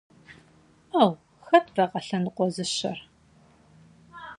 - Ӏэу, хэт вакъэ лъэныкъуэ зыщэр?